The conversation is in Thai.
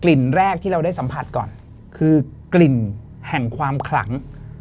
แรกที่เราได้สัมผัสก่อนคือกลิ่นแห่งความขลัง